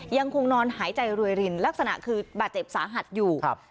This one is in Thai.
ยังคงนอนหายใจรวยรินลักษณะคือบาดเจ็บสาหัสอยู่ครับ